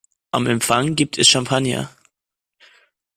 Am Empfang gibt es Champagner.